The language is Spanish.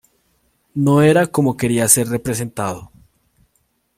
No era como quería ser representado.